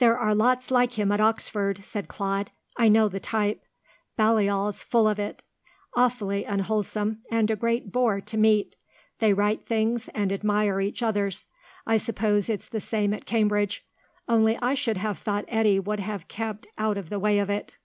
"There are lots like him at Oxford," said Claude. "I know the type. Balliol's full of it. Awfully unwholesome, and a great bore to meet. They write things, and admire each other's. I suppose it's the same at Cambridge. Only I should have thought Eddy would have kept out of the way of it."